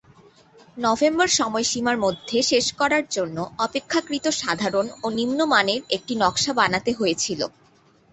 November সময়সীমার মধ্যে শেষ করার জন্য অপেক্ষাকৃত সাধারণ ও নিম্নমানের একটি নকশা বানাতে হয়েছিল।